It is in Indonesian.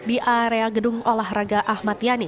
di area gedung olahraga ahmad yani